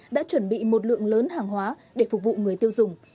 đã chuẩn bị một lượng lớn hàng hóa để phục vụ người tiêu dùng